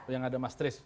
yang ada mastris